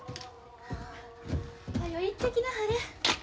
はよ行ってきなはれ。